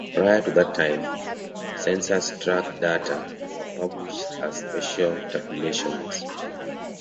Prior to that time, census tract data were published as special tabulations.